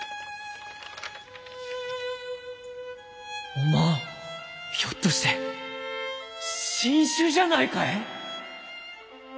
・おまんひょっとして新種じゃないかえ？